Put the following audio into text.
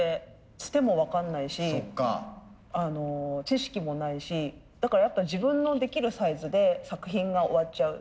つても分かんないし知識もないしだからやっぱ自分のできるサイズで作品が終わっちゃう。